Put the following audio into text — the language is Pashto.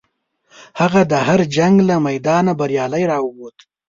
هغه د هر جنګ له میدانه بریالی راووت.